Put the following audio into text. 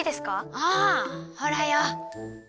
ああほらよ。